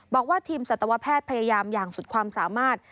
บอกว่าทีมสัตวแพทย์พยายามอย่างสุดความสามารถ